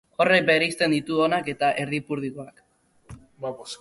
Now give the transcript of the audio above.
Horrek bereizten ditu onak eta erdipurdikoak.